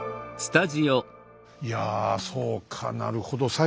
いやそうかなるほど。